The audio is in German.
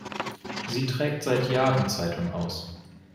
Sie trägt seit Jahren Zeitung aus.